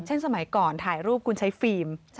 สมัยก่อนถ่ายรูปคุณใช้ฟิล์ม